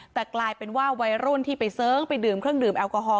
แต่กลายเป็นว่าวัยรุ่นที่ไปเสิร์งไปดื่มเครื่องดื่มแอลกอฮอล